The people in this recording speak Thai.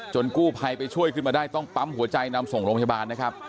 กู้ภัยไปช่วยขึ้นมาได้ต้องปั๊มหัวใจนำส่งโรงพยาบาลนะครับ